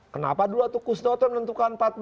kenapa dulu kustu itu menentukan empat belas